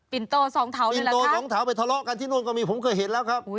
ปิ่นโตสองเถาด้วยล่ะครับปิ่นโตสองเถาไปทะเลาะกันที่โน่นก็มีผมเคยเห็นแล้วครับ